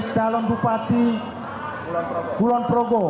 calon bupati gulan progo